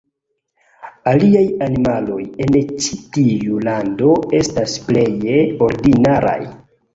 Aliaj animaloj en ĉi tiu lando estas pleje ordinaraj.